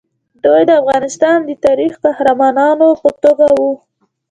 دوی د افغانستان د تاریخي قهرمانانو په توګه وو.